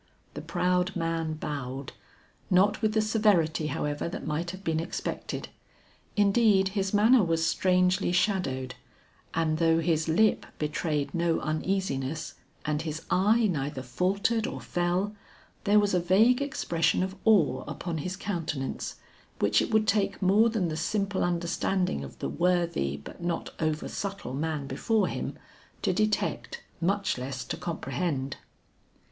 The proud man bowed, not with the severity however that might have been expected; indeed his manner was strangely shadowed, and though his lip betrayed no uneasiness and his eye neither faltered or fell, there was a vague expression of awe upon his countenance, which it would take more than the simple understanding of the worthy but not over subtle man before him, to detect much less to comprehend.